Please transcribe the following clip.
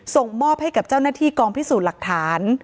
ส่งมอบให้กับเจ้าหน้าที่กองพิสูจน์หลักฐาน